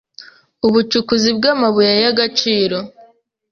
ubucukuzi bw’amabuye y’agaciro,